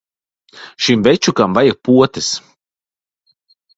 Šim večukam vajag potes.